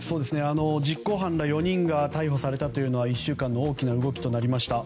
実行犯ら４人が逮捕されたのは大きな動きとなりました。